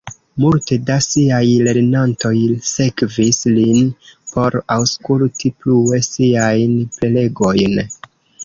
Multe da siaj lernantoj sekvis lin por aŭskulti plue siajn prelegojn.